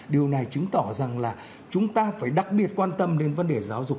điều này chứng tỏ rằng là chúng ta phải đặc biệt quan tâm đến vấn đề giáo dục